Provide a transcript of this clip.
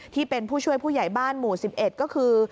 ที่เป็นผู้ช่วยผู้ใหญ่บ้านหมู่๑๑ก็คือ